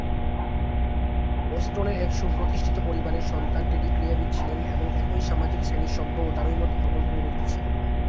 বোস্টনের এক সুপ্রতিষ্ঠিত পরিবারের সন্তান টেডি ক্রীড়াবিদ ছিলেন এবং একই সামাজিক শ্রেণীর সভ্য ও তারই মত ভ্রমণপ্রিয় ব্যক্তি ছিলেন।